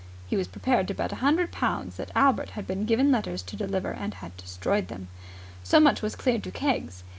He was prepared to bet a hundred pounds that Albert had been given letters to deliver and had destroyed them. So much was clear to Keggs.